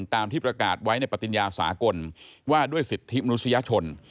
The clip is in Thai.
ตามที่ประกาศไว้ในปฏิญญาสากลว่าด้วยสิทธิมนุษยชน